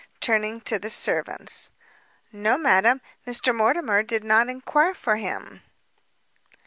turning to the servants. "No, madam, Mr Mortimer did not enquire for him."